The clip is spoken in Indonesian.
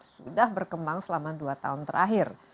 sudah berkembang selama dua tahun terakhir